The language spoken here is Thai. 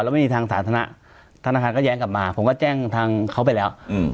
แล้วไม่มีทางสาธารณะธนาคารก็แย้งกลับมาผมก็แจ้งทางเขาไปแล้วอืม